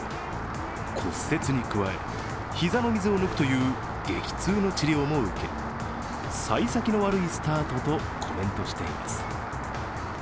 骨折に加え、膝の水を抜くという激痛の治療も受け、さい先の悪いスタートとコメントしています。